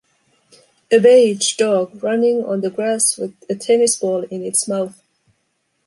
A beige dog running on the grass with a tennis ball in its mouth.